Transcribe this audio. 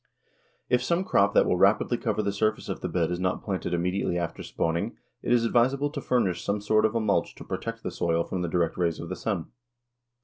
If some crop that will rapidly cover the surface of the bed is not planted immediately after spawning it is advisable to furnish some sort of a mulch to protect the soil from the direct rays of the sun.